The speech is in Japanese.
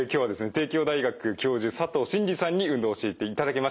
帝京大学教授佐藤真治さんに運動を教えていただきました。